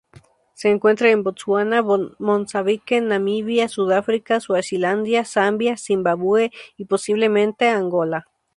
Se encuentra en Botsuana, Mozambique, Namibia, Sudáfrica, Suazilandia, Zambia, Zimbabue, y posiblemente Angola.